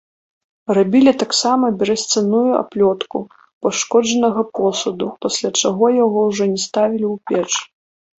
Рабілі таксама берасцяную аплётку пашкоджанага посуду, пасля чаго яго ўжо не ставілі ў печ.